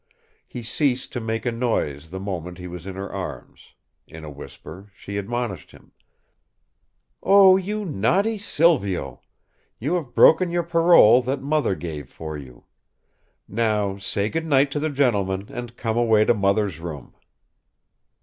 He ceased to make a noise the moment he was in her arms; in a whisper she admonished him: "O you naughty Silvio! You have broken your parole that mother gave for you. Now, say goodnight to the gentlemen, and come away to mother's room!"